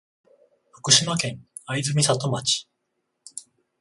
福島県会津美里町